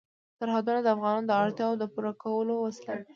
سرحدونه د افغانانو د اړتیاوو د پوره کولو وسیله ده.